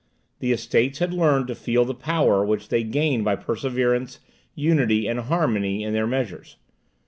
The Estates had learned to feel the power which they gained by perseverance, unity, and harmony in their measures.